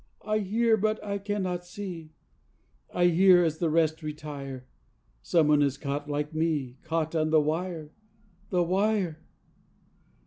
I hear, but I cannot see, I hear as the rest retire, Someone is caught like me, Caught on the wire ... the wire.